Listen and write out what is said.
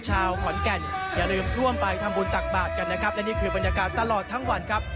ชาวขอนแก่นอย่าลืมร่วมไปทำบุญตักบาทกันนะครับและนี่คือบรรยากาศตลอดทั้งวันครับ